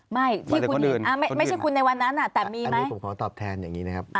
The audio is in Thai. ไม่ที่คุณไม่ใช่คุณในวันนั้นแต่มีไหมผมขอตอบแทนอย่างนี้นะครับ